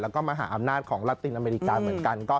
แล้วก็มหาอำนาจของรัฐตินอเมริกาเหมือนกัน